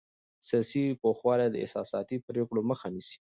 سیاسي پوخوالی د احساساتي پرېکړو مخه نیسي